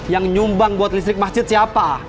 yang nyumbang buat listrik masjid siapa